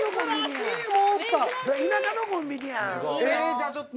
じゃあちょっと。